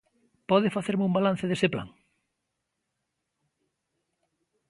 ¿Pode facerme un balance dese plan?